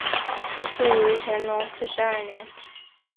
卒于乾隆四十二年。